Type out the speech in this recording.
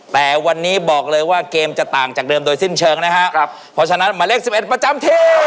แต่วันนี้บอกเลยว่าเกมจะต่างจากเดิมโดยสิ้นเชิงนะฮะ